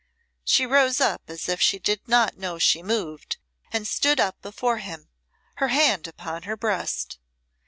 She rose as if she did not know she moved, and stood up before him, her hand upon her breast.